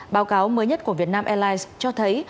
báo cáo mới nhất của vietnam airlines cho thấy